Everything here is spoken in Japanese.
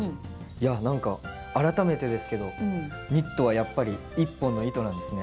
いや何か改めてですけどニットはやっぱり１本の糸なんですね。